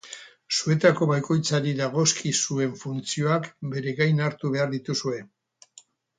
Zuetako bakoitzari dagozkizuen funtzioak bere gain hartu behar dituzue.